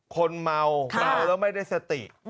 คนเมาเมาแล้วไม่ได้สติ